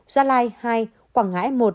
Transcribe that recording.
gia lai hai quảng ngãi một